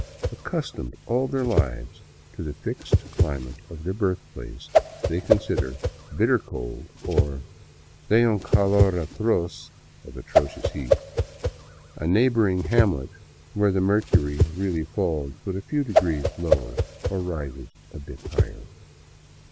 Accustomed all their lives to the fixed climate of their birthplace, they consider " bitter cold," or " de un calor atroz " (of atrocious heat), a neighboring hamlet where the mercury really falls but a few degrees lower or rises a bit higher.